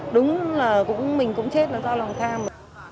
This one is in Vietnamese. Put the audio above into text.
đúng là mình cũng chết là do lòng tham